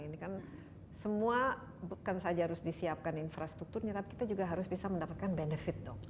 ini kan semua bukan saja harus disiapkan infrastrukturnya tapi kita juga harus bisa mendapatkan benefit dok